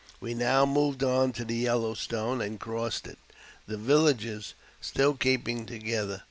We now moved on to the Yellow Stone, and crossed it, the villages still keeping together.